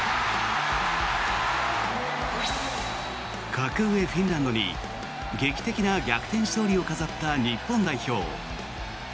格上フィンランドに劇的な逆転勝利を飾った日本代表。